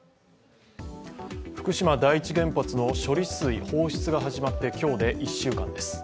福島第一原発の処理水放出が始まって今日で１週間です。